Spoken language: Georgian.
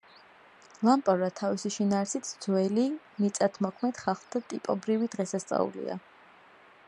ლამპრობა თავისი შინაარსით ძველი მიწათმოქმედ ხალხთა ტიპობრივი დღესასწაულია.